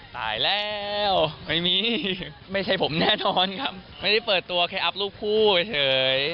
ตายแล้วไม่มีไม่ใช่ผมแน่นอนครับไม่ได้เปิดตัวแค่อัพรูปคู่เฉย